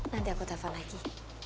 nanti aku telfon lagi